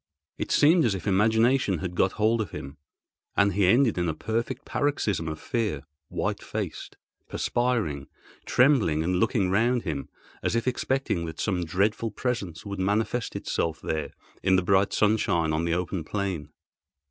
It seemed as if his imagination had got hold of him, and he ended in a perfect paroxysm of fear—white faced, perspiring, trembling and looking round him, as if expecting that some dreadful presence would manifest itself there in the bright sunshine on the open plain.